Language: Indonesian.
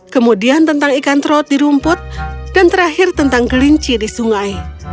kemudian tentang ikan trot di rumput dan terakhir tentang kelinci di sungai